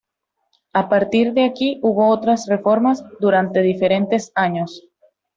A partir de aquí hubo otras reformas durante diferentes años.